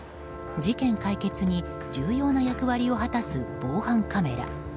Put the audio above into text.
事件解決に重要な役割を果たす防犯カメラ。